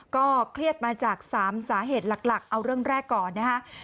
ก็เครียดมาจาก๓สาเหตุหลักเอาเรื่องแรกก่อนนะฮะ